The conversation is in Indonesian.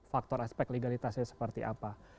faktor aspek legalitasnya seperti apa